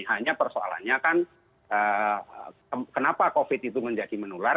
hanya persoalannya kan kenapa covid itu menjadi menular